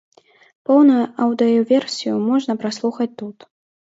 Поўную аўдыёверсію можна праслухаць тут.